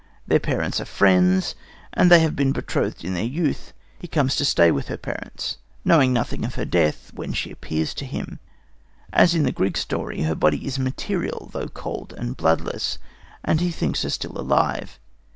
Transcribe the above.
Their parents are friends, and they have been betrothed in their youth. He comes to stay with her parents, knowing nothing of her death, when she appears to him. As in the Greek story, her body is material, though cold and bloodless, and he thinks her still alive.